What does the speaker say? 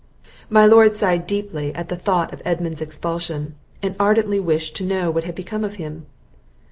My lord sighed deeply at the thoughts of Edmund's expulsion, and ardently wished to know what was become of him.